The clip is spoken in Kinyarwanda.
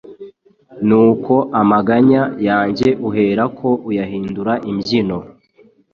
Nuko amaganya yanjye uherako uyahindura imbyino